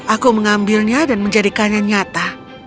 aku mengambilnya dan menjadikannya nyata